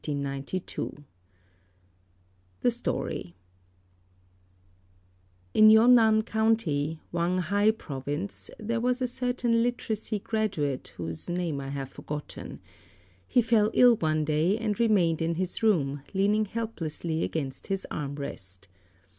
] The Story In Yon nan County, Whang hai Province, there was a certain literary graduate whose name I have forgotten. He fell ill one day and remained in his room, leaning helplessly against his arm rest.